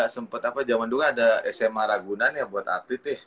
sempet apa jaman dulu ada sma ragunan ya buat atlet ya